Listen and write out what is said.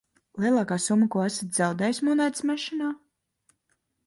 Lielākā summa, ko esat zaudējis monētas mešanā?